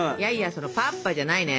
その「パッパ」じゃないね。